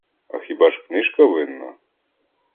А хіба ж книжка винна?